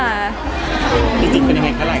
พี่มีอาหาร